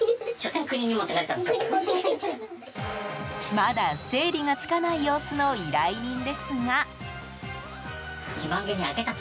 まだ、整理がつかない様子の依頼人ですが。